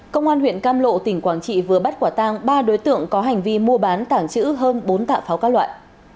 công an huyện cam lộ tỉnh quảng trị vừa bắt quả tang ba đối tượng có hành vi mua bán tảng chữ hơn bốn tạ pháo các loại